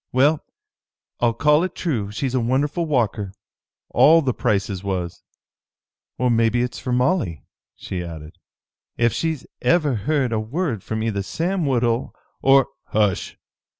Well, I'll call it true, she's a wonderful walker. All the Prices was." "Or maybe it's for Molly," she added. "Ef she's ever heard a word from either Sam Woodhull or " "Hush!